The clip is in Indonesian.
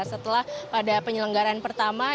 setelah pada penyelenggaraan pertama